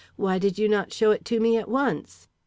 "Why did you not show it to me at once?"